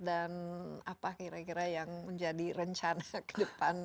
dan apa kira kira yang menjadi rencana ke depan